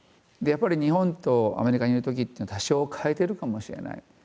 やっぱり日本とアメリカにいるときっていうのは多少変えてるかもしれない。